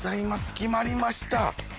決まりました！